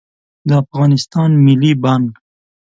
د افغانستان ملي بانګ